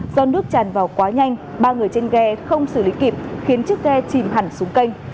do nước tràn vào quá nhanh ba người trên ghe không xử lý kịp khiến chiếc ghe chìm hẳn xuống kênh